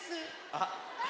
あっ。